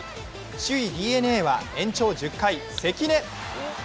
首位ＤｅＮＡは延長１０回、関根。